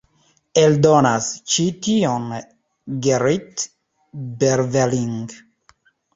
Eldonas ĉi tion Gerrit Berveling.